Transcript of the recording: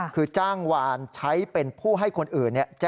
เพราะว่ามีทีมนี้ก็ตีความกันไปเยอะเลยนะครับ